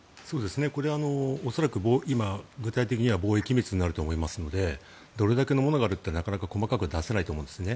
これ、恐らく今、具体的には防衛機密になると思いますのでどれだけのものがあるかは細かく出せないと思うんですね。